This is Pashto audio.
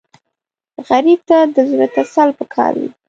غریب ته د زړه تسل پکار وي